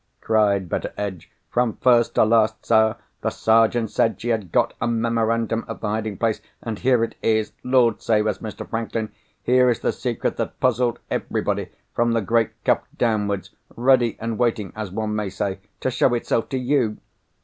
cried Betteredge. "From first to last, sir, the Sergeant said she had got a memorandum of the hiding place. And here it is! Lord save us, Mr. Franklin, here is the secret that puzzled everybody, from the great Cuff downwards, ready and waiting, as one may say, to show itself to _you!